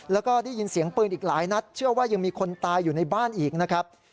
แล้วก็ได้ยินเสียงปืนอีกหลายนัดเชื่อว่ายังมีคนตายอยู่ในบ้านอีกนะครับ